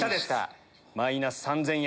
マイナス３０００円。